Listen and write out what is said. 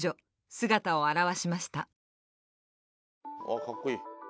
あっかっこいい。